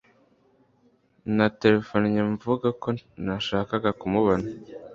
Naterefonnye mvuga ko nashakaga kumubona